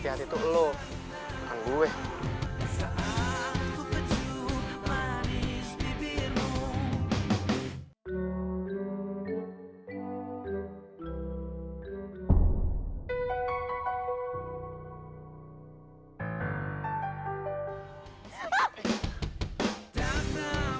yaudah kalau gitu gue pulang ya